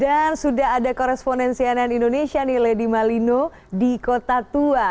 dan sudah ada koresponensianan indonesia nih lady malino di kota tua